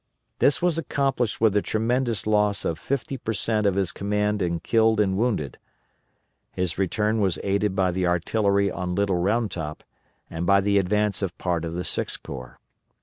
This was accomplished with the tremendous loss of fifty per cent. of his command in killed and wounded. His return was aided by the artillery on Little Round Top, and by the advance of part of the Sixth Corps.